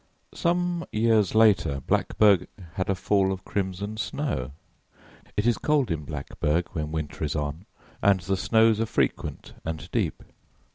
Some years later Blackburg had a fall of crimson snow; it is cold in Blackburg when winter is on, and the snows are frequent and deep.